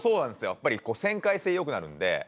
やっぱり旋回性よくなるんで。